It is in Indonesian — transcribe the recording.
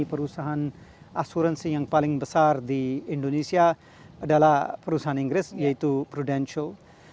perusahaan asuransi yang paling besar di indonesia adalah perusahaan inggris yaitu prudential